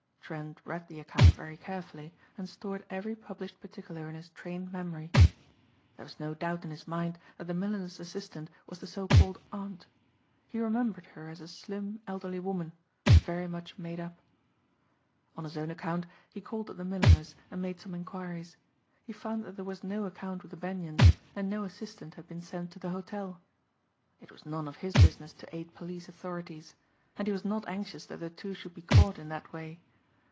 Trent read the account very carefully and stored every published particular in his trained memory. There was no doubt in his mind that the milliner's assistant was the so called aunt. He remembered her as a slim, elderly woman, very much made up. On his own account he called at the milliner's and made some inquiries. He found that there was no account with the Benyons and no assistant had been sent to the hotel. It was none of his business to aid police authorities. And he was not anxious that the two should be caught in that way.